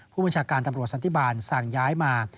ผู้บัญชาการตำรวจสันติบาลสั่งย้ายมา